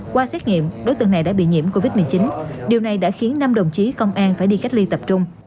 qua xét nghiệm đối tượng này đã bị nhiễm covid một mươi chín điều này đã khiến năm đồng chí công an phải đi cách ly tập trung